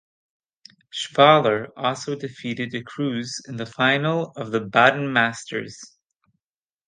Schwaller also defeated de Cruz in the final of the Baden Masters.